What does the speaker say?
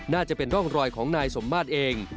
น่าจะเป็นร่องรอยของนายสมมาตรเอง